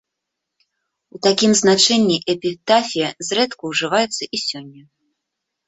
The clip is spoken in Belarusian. У такім значэнні эпітафія зрэдку ўжываецца і сёння.